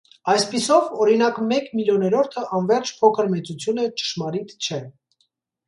Այսպիսով, օրինակ, «մեկ միլիոներորդդը անվերջ փոքր մեծություն է» ճշմարիտ չէ։